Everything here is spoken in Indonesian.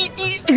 aduh aduh aduh